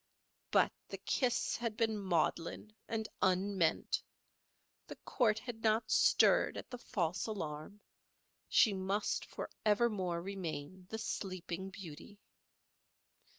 But the kiss had been maudlin and unmeant; the court had not stirred at the false alarm; she must forevermore remain the Sleeping Beauty.